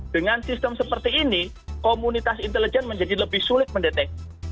dengan sistem seperti ini komunitas intelijen menjadi lebih sulit mendeteksi